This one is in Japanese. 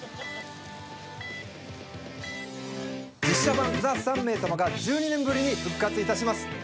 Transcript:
実写版「ＴＨＥ３名様」が１２年ぶりに復活いたします。